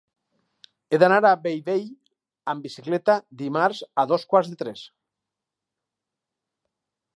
He d'anar a Bellvei amb bicicleta dimarts a dos quarts de tres.